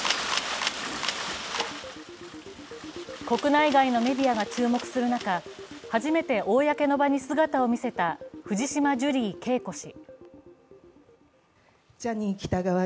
国内外のメディアが注目する中、初めて公の場に姿を見せた藤島ジュリー景子氏。